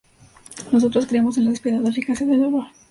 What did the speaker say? Nosotros creemos en la despiadada eficacia del dolor.